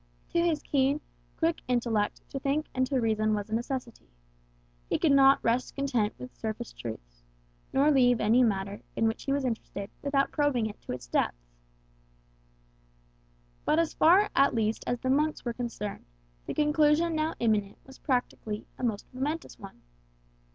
To his keen, quick intellect to think and to reason was a necessity; he could not rest content with surface truths, nor leave any matter in which he was interested without probing it to its depths. But as far at least as the monks were concerned, the conclusion now imminent was practically a most momentous one.